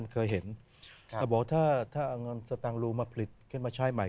ข้อสี่ครับ